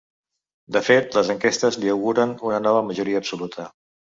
De fet, les enquestes li auguren una nova majoria absoluta.